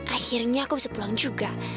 akhirnya aku bisa pulang juga